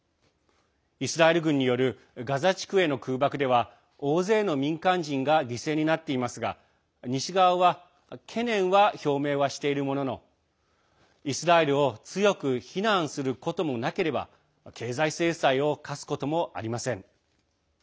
イスラエル軍によるガザ地区への空爆では大勢の民間人が犠牲になっていますが西側は懸念は表明はしているもののイスラエルを強く非難することもなければ経済制裁を科すことはありません。